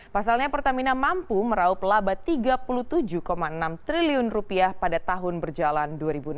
pasalnya pertamina mampu meraup laba rp tiga puluh tujuh enam triliun pada tahun berjalan dua ribu enam belas